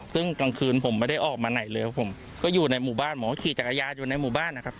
ซึ่งกลางคืนผมไม่ได้ออกมาไหนเลยครับผมก็อยู่ในหมู่บ้านหมอก็ขี่จักรยานอยู่ในหมู่บ้านนะครับ